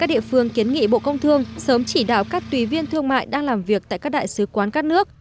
các địa phương kiến nghị bộ công thương sớm chỉ đạo các tùy viên thương mại đang làm việc tại các đại sứ quán các nước